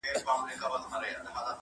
چي د ریا پر منبرونو دي غوغا ووینم -